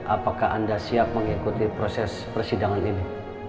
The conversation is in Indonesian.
apakah anda siap mengikuti proses persidangan ini